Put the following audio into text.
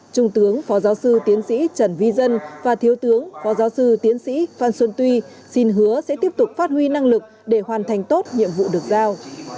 trung tướng phó giáo sư tiến sĩ trần vi dân và thiếu tướng phó giáo sư tiến sĩ phan xuân tuy xin hứa sẽ tiếp tục phát huy năng lực để hoàn thành tốt nhiệm vụ được giao